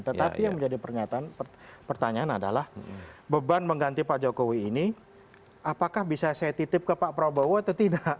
tetapi yang menjadi pertanyaan adalah beban mengganti pak jokowi ini apakah bisa saya titip ke pak prabowo atau tidak